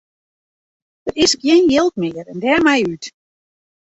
Der is gjin jild mear en dêrmei út.